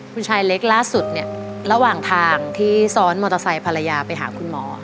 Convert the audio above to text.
คุณชายเล็กล่าสุดเนี่ยระหว่างทางที่ซ้อนมอเตอร์ไซค์ภรรยาไปหาคุณหมอ